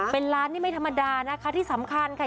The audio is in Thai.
เป็นร้านนี่ไม่ธรรมดานะคะที่สำคัญค่ะ